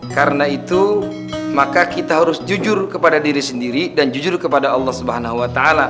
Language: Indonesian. karena itu maka kita harus jujur kepada diri sendiri dan jujur kepada allah subhanahuwata'ala